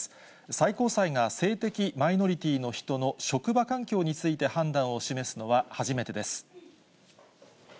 最高裁が性的マイノリティーの人の職場環境について判断を示すのは初めてです。